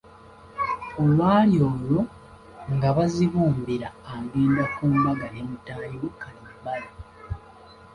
Olwali olwo, nga Bazibumbira agenda ku mbaga ne mutaayi we Kalibbala.